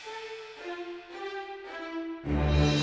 aku cuma pengen tahu aja